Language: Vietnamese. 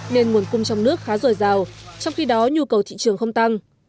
nên nguồn cung trong nước khá dồi dào trong khi đó nhu cầu thị trường không tăng